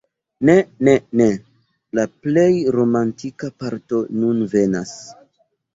Ne, ne, ne! La plej romantika parto nun venas!